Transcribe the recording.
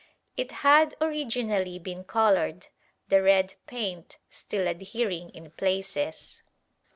It had originally been coloured, the red paint still adhering in places.